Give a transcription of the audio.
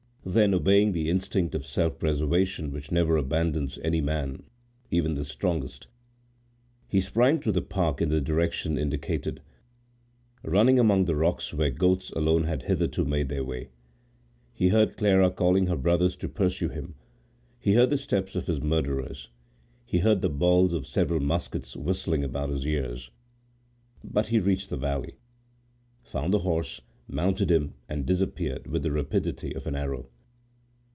Then, obeying the instinct of self preservation which never abandons any man, even the strongest, he sprang through the park in the direction indicated, running among the rocks where goats alone had hitherto made their way. He heard Clara calling to her brothers to pursue him; he heard the steps of his murderers; he heard the balls of several muskets whistling about his ears; but he reached the valley, found the horse, mounted him, and disappeared with the rapidity of an arrow.